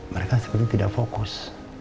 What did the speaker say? mereka sepertinya tidak fokus